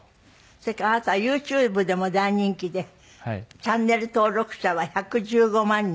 それからあなたはＹｏｕＴｕｂｅでも大人気でチャンネル登録者は１１５万人。